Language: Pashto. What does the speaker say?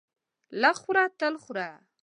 لږ خوره تل خوره.